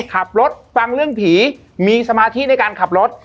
ขับรถฟังเรื่องผีมีสมาธิในการขับรถ